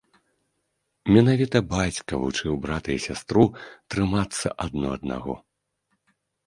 Менавіта бацька вучыў брата і сястру трымацца адно аднаго.